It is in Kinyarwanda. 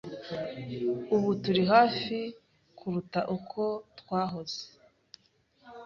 Ubu turi hafi kuruta uko twahoze. (marcelostockle)